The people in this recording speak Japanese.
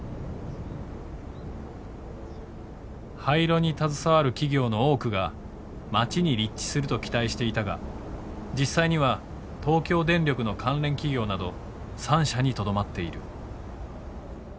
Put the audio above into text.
廃炉に携わる企業の多くが町に立地すると期待していたが実際には東京電力の関連企業など３社にとどまっている。